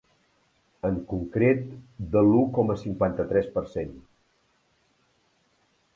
En concret de l’u coma cinquanta-tres per cent.